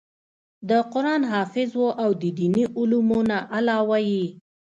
د قران حافظ وو او د ديني علومو نه علاوه ئې